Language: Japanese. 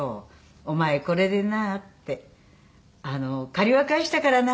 「お前これでな」って「借りは返したからな」